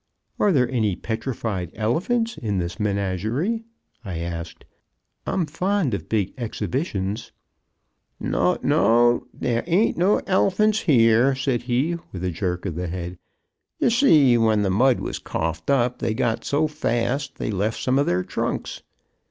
"Are there any petrified elephants in this menagerie?" I asked. "I'm fond of big exhibitions." "N n no, they ain't no elifants here," said he with a jerk of the head. "Yer see when the mud was coughed up, they got so fast they left some of their trunks.